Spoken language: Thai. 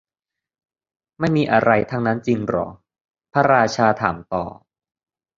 ไม่มีอะไรทั้งนั้นจริงเหรอ พระราชาถามต่อ